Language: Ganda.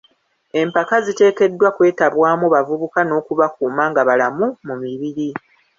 Empaka ziteekeddwa kwetabwamu bavubuka n'okubakuuma nga balamu mu mibiri.